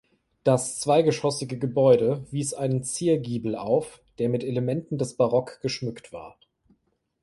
Das zweigeschossige Gebäude wies einen Ziergiebel auf, der mit Elementen des Barock geschmückt war.